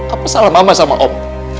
apa salah mama sama om